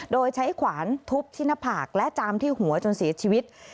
โดยใช้ขวานทุบที่หน้าผากและจามที่หัวจนเสียชีวิต